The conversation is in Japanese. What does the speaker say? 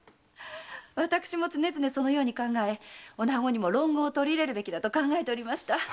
私も常々そのように考え女子にも論語を取り入れるべきだと考えておりました。